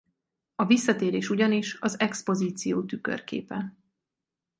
A visszatérés ugyanis az expozíció tükörképe.